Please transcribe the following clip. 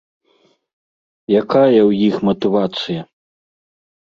Якая ў іх матывацыя?